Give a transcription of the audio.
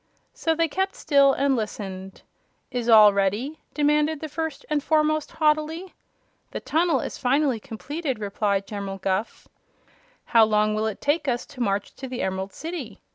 So they kept still and listened. "Is all ready?" demanded the First and Foremost, haughtily. "The tunnel is finally completed," replied General Guph. "How long will it take us to march to the Emerald City?"